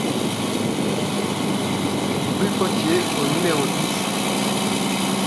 Rue Potier au numéro dix